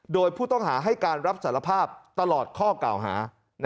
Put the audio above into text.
โดยผู้ต้องหาให้การรับสารภาพตลอดข้อกล่าวหา